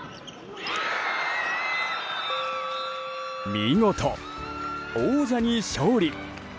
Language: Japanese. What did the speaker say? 見事、王者に勝利！